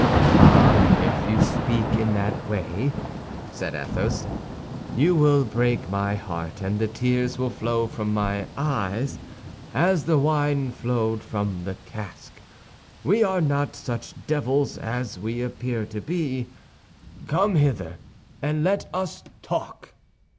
"Ah, if you speak in that way," said Athos, "you will break my heart, and the tears will flow from my eyes as the wine flowed from the cask. We are not such devils as we appear to be. Come hither, and let us talk."